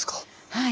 はい。